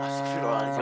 asyik sudah lagi